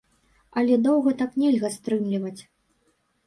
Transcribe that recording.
Але доўга так нельга стрымліваць.